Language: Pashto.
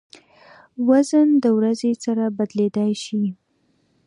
وزن د ورځې سره بدلېدای شي.